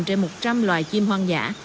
trong một trăm linh loài chim hoang dã